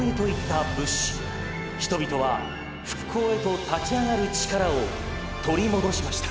人々は復興へと立ち上がる力を取り戻しました」。